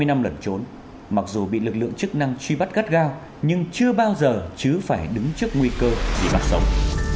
hai mươi năm lẩn trốn mặc dù bị lực lượng chức năng truy bắt gắt gao nhưng chưa bao giờ chứ phải đứng trước nguy cơ bị bắt sống